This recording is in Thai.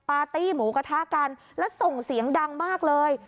ปาร์ตี้หมูกระทะกันแล้วส่งเสียงดังมากเลย